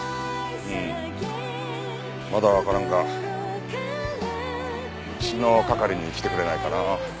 うんまだわからんがうちの係に来てくれないかな。